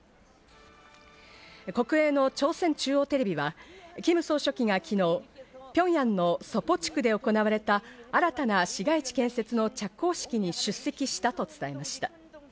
国営の朝鮮中央テレビは、キム総書記が昨日、ピョンヤンのソポ地区で行われた新たな市街地建設の着工式に出席したと伝えました。